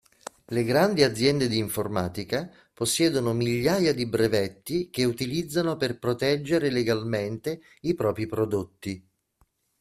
Le grandi aziende di informatica possiedono migliaia di brevetti che utilizzano per proteggere legalmente i propri prodotti.